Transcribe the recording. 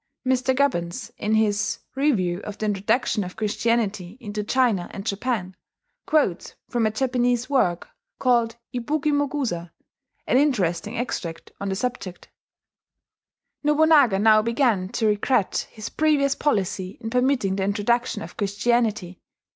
Mr. Gubbins, in his "Review of the Introduction of Christianity into China and Japan," quotes from a Japanese work, called Ibuki Mogusa, an interesting extract on the subject: "Nobunaga now began to regret his previous policy in permitting the introduction of Christianity.